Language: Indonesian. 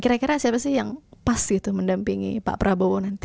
kira kira siapa sih yang pas gitu mendampingi pak prabowo nanti